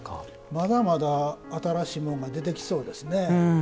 まだまだ、新しいものが出てきそうですね。